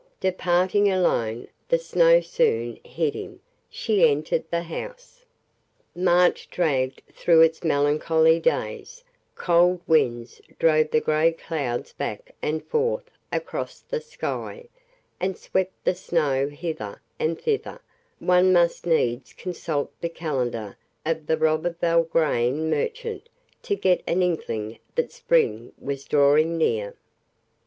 Departing alone, the snow soon hid him. She entered the house. March dragged through its melancholy days; cold winds drove the gray clouds back and forth across the sky, and swept the snow hither and thither; one must needs consult the calendar of the Roberval grain merchant to get an inkling that spring was drawing near.